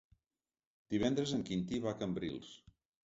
Divendres en Quintí va a Cambrils.